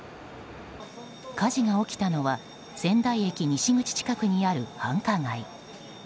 火事が起きたのは仙台駅西口近くにある繁華街。